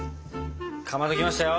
かまどきましたよ。